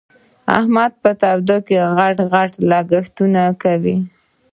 احمد په توده کې؛ غټ غټ لګښتونه کوي.